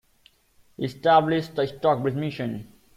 He established the Stockbridge Mission.